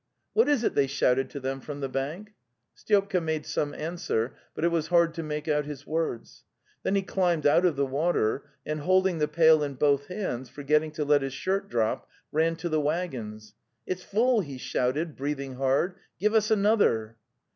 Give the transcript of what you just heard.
'What is it?' they shouted to them from the bank. Styopka made some answer, but it was hard to make out his words. Then he climbed out of the water and, holding the pail in both hands, forgetting to let his shirt drop, ran to the waggons. '"Tt's full!' he shouted, breathing hard. "' Give us another!